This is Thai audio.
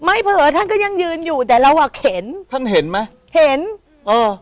เผลอท่านก็ยังยืนอยู่แต่เราอ่ะเข็นท่านเห็นไหมเห็นเออ